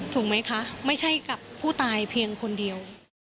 ถูกไหมคะไม่ใช่กับผู้ตายเพียงคนเดียว